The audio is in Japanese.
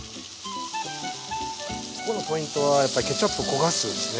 ここのポイントはやっぱりケチャップを焦がすんですね。